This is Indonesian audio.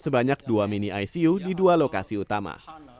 sebanyak dua mini icu di dua lokasi utama